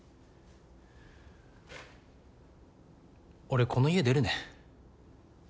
俺この家出るね。